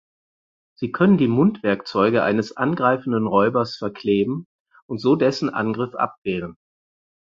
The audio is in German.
Sie können die Mundwerkzeuge eines angreifenden Räubers verkleben und so dessen Angriff abwehren.